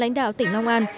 lãnh đạo tỉnh long an